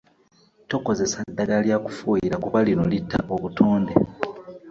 Tokozesa ddagala lya kufuuyira kuba lino litta obutonde.